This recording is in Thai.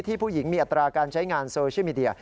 ผู้หญิงมีอัตราการใช้งานโซเชียลมีเดีย